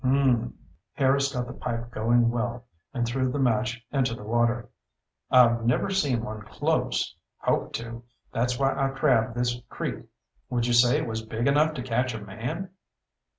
"Mmmmm." Harris got the pipe going well and threw the match into the water. "I've never seen one close. Hoped to. That's why I crab this creek. Would you say it was big enough to catch a man?"